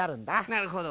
なるほど。